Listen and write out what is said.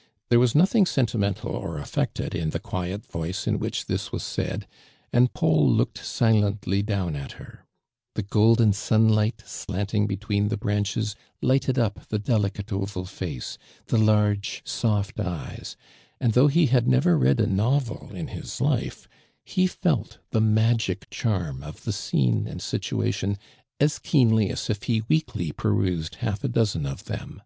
" There waa nothing sentimental or affected in the quiet voice in which this was said, and Paul looked silently down at her. The golden sunlight slanting between the branches lighted up the delicate oval face, the large soft eyes, and though he had never read a novel in his life, he felt the magic charm of the scene and situation as keenly as if he weekly perused half a dozen of them.